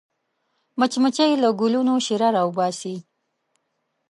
مچمچۍ له ګلونو شیره راوباسي